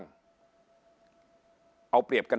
ฝ่ายชั้น